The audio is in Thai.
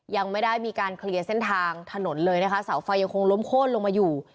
ยังไม่ได้มีการเคลียร์เส้นทางถนนเลยนะคะเสาไฟยังคงล้มโค้นลงมาอยู่